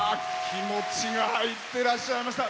気持ちが入ってらっしゃいました。